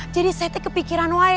jadi saya kepikiran